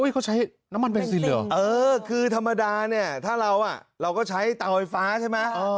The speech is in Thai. เขาใช้น้ำมันเบนซินเหรอเออคือธรรมดาเนี่ยถ้าเราเราก็ใช้เตาไฟฟ้าใช่ไหม